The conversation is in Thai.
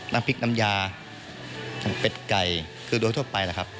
น้ำพริกน้ำยาเป็ดไก่คือโดยทั่วไปแหละครับ